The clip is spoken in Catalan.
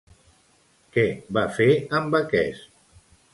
Què va fer amb aquest?